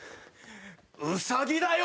ウサギだよ！